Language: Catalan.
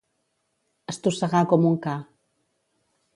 Estossegar com un ca.